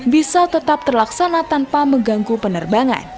bisa tetap terlaksana tanpa mengganggu penerbangan